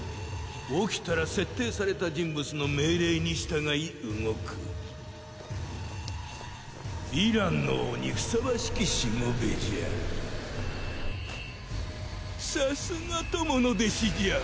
起きたら設定された人物の命令に従い動くヴィランの王にふさわしきさすが友の弟子じゃ。